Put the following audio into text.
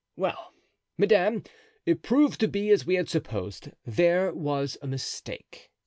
Well, madame, it proved to be as we had supposed; there was a mistake.